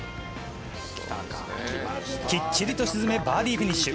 きっちりと沈め、バーディーフィニッシュ。